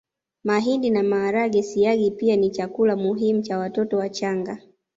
Mahindi na maharage Siagi pia ni chakula muhimu cha watoto wachanga